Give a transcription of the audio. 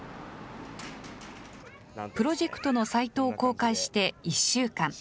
プロジェクトのサイトを公開して１週間。